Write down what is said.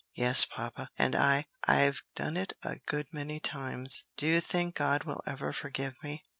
"Yes, papa, and I I've done it a good many times. Do you think God will ever forgive me?"